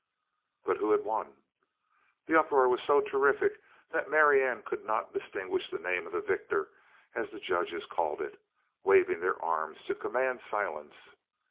But who had won? The uproar was so terrific that Marianne could not distinguish the name of the victor as the judges called it, waving their arms to command silence.